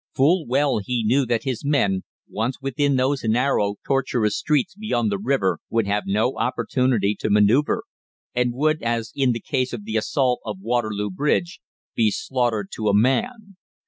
Full well he knew that his men, once within those narrow, tortuous streets beyond the river, would have no opportunity to manoeuvre, and would, as in the case of the assault of Waterloo Bridge, be slaughtered to a man.